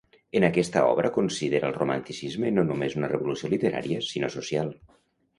En aquesta obra considera al Romanticisme no només una revolució literària sinó social.